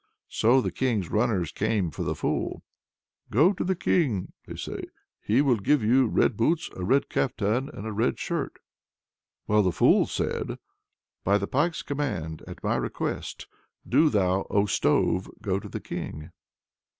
So the King's runners came for the fool. "Go to the King," they say, "he will give you red boots, a red caftan, and a red shirt." Well, the fool said: "By the Pike's command, at my request, do thou, O stove, go to the King!"